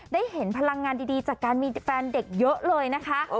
ได้เห็นพลังงานดีจากการมีแฟนเด็กเยอะเลยนะคะ